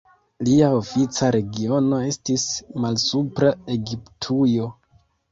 Lia ofica regiono estis Malsupra Egiptujo.